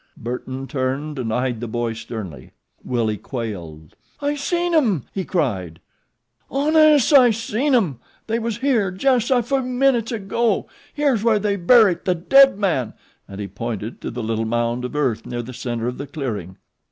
Burton turned and eyed the boy sternly. Willie quailed. "I seen 'em," he cried. "Hones' I seen 'em. They was here just a few minutes ago. Here's where they burrit the dead man," and he pointed to the little mound of earth near the center of the clearing.